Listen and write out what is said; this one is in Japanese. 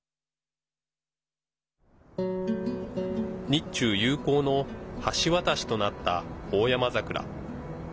日中友好の橋渡しとなったオオヤマザクラ。